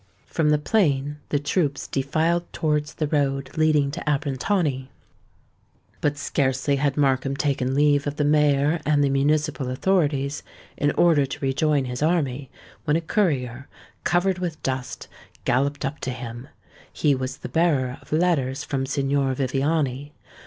From the plain the troops defiled towards the road leading to Abrantani. But scarcely had Markham taken leave of the mayor and the municipal authorities, in order to rejoin his army, when a courier, covered with dust, galloped up to him. He was the bearer of letters from Signor Viviani.